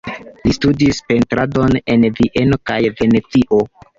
Li studis pentradon en Vieno kaj Venecio.